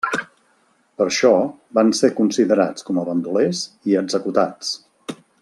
Per això, van ser considerats com a bandolers, i executats.